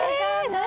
何？